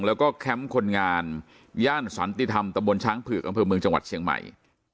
แล้วก็แคมป์คนงานย่านสันติธรรมตะบนช้างเผือกอำเภอเมืองจังหวัดเชียงใหม่